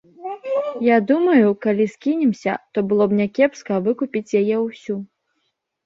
Я думаю, калі скінемся, то было б някепска выкупіць яе ўсю.